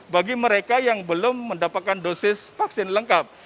bagi mereka yang belum mendapatkan dosis vaksin lengkap